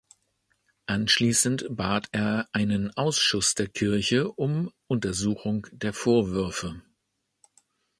Anschließend bat er einen Ausschuss der Kirche um Untersuchung der Vorwürfe.